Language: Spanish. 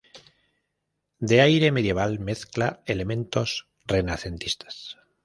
De aire medieval, mezcla elementos renacentistas.